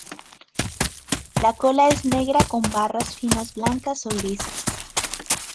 La cola es negra con barras finas blancas o grises.